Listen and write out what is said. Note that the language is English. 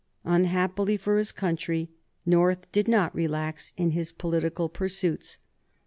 Unhappily for his country, North did not relax in his political pursuits.